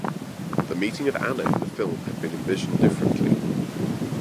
The meeting of Anna in the film had been envisioned differently.